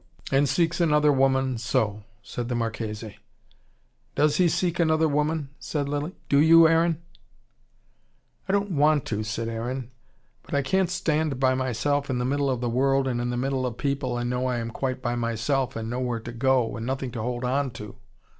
"And seeks another woman, so," said the Marchese. "Does he seek another woman?" said Lilly. "Do you, Aaron?" "I don't WANT to," said Aaron. "But I can't stand by myself in the middle of the world and in the middle of people, and know I am quite by myself, and nowhere to go, and nothing to hold on to.